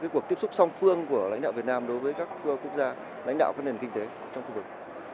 cuộc tiếp xúc song phương của lãnh đạo việt nam đối với các quốc gia lãnh đạo các nền kinh tế trong khu vực